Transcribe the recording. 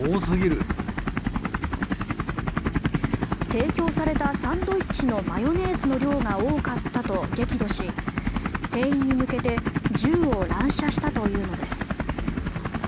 提供されたサンドイッチのマヨネーズの量が多かったと激怒し、店員に向けて銃を乱射したというのです。